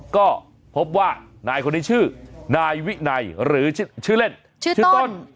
ก็พบว่านายคนนี้ชื่อนายวินัยหรือชื่อเล่นชื่อต้น